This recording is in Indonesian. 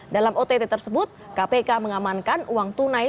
dalam ott tersebut kpk mengamankan uang tunai